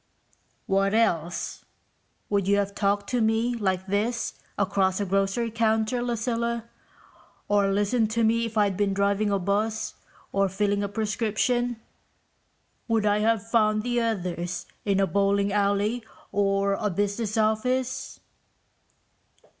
"What else? Would you have talked to me like this across a grocery counter, Lucilla? Or listened to me, if I'd been driving a bus or filling a prescription? Would I have found the others in a bowling alley or a business office?"